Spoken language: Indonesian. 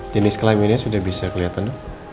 jenis kelaminnya sudah bisa kelihatan dok